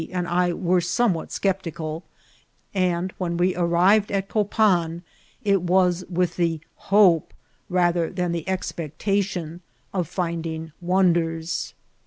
and I were somewhat Sceptical, and when we arriTed at Copan, it was with the hope, rather than the expectation, of finding wonders.